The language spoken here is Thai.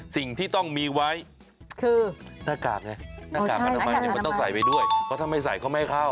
สิ่งที่ต้องมีไว้คือหน้ากากไงหน้ากากอนามัยเนี่ยมันต้องใส่ไปด้วยเพราะถ้าไม่ใส่เขาไม่ให้เข้า